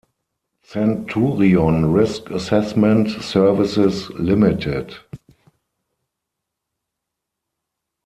Centurion Risk Assessment Services Ltd.